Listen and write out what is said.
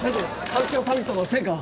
環境サミットの成果は？